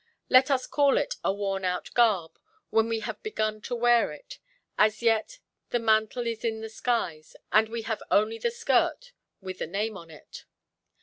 Let us call it a worn–out garb, when we have begun to wear it; as yet the mantle is in the skies, and we have only the skirt with the name on it.